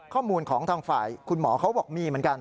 ข้อมูลของทางฝ่ายคุณหมอเขาบอกมีเหมือนกัน